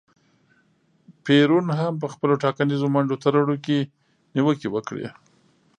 پېرون هم په خپلو ټاکنیزو منډو ترړو کې نیوکې وکړې.